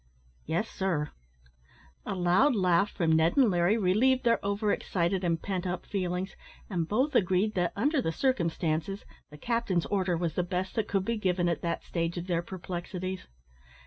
"Yes, sir." A loud laugh from Ned and Larry relieved their over excited and pent up feelings; and both agreed that, under the circumstances, the captain's order was the best that could be given at that stage of their perplexities.